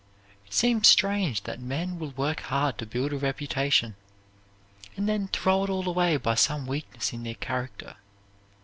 It seems strange that men will work hard to build a reputation, and then throw it all away by some weakness in their character.